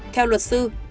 theo luật sách